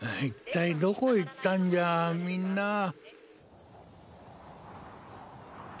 一体どこへ行ったんじゃみんな。